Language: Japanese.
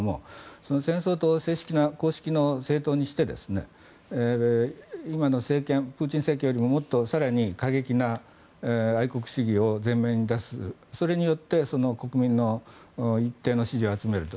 戦争党を公式の政党にして今のプーチン政権よりも更に過激な愛国主義を前面に出すそれによって国民の一定の支持を集めると。